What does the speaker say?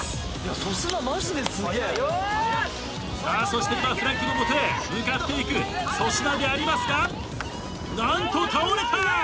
そして今フラッグのもとへ向かっていく粗品でありますが何と倒れた。